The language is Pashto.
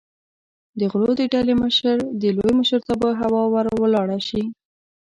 د غلو د ډلې مشر د لوی مشرتابه هوا ور ولاړه شي.